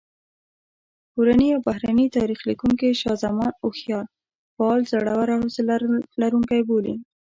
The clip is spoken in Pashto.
کورني او بهرني تاریخ لیکونکي شاه زمان هوښیار، فعال، زړور او حوصله لرونکی بولي.